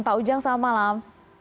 pak ujang selamat malam